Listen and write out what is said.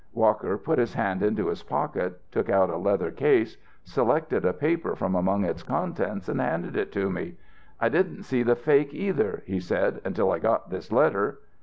Walker put his hand into his pocket, took out a leather case, selected a paper from among its contents and handed it to me. "I didn't see the fake either," he said, "until I got this letter."